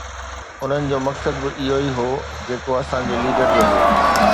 انهن جو مقصد به اهو ئي هو جيڪو اسان جي ليڊر جو هو